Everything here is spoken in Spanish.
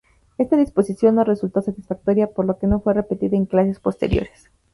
Esta disposición, no resultó satisfactoria, por lo que no fue repetida en clases posteriores.